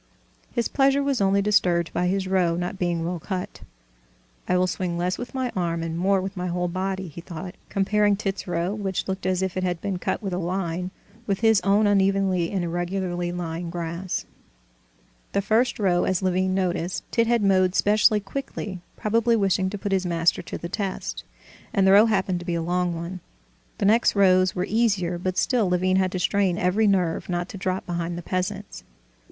His pleasure was only disturbed by his row not being well cut. "I will swing less with my arm and more with my whole body," he thought, comparing Tit's row, which looked as if it had been cut with a line, with his own unevenly and irregularly lying grass. The first row, as Levin noticed, Tit had mowed specially quickly, probably wishing to put his master to the test, and the row happened to be a long one. The next rows were easier, but still Levin had to strain every nerve not to drop behind the peasants.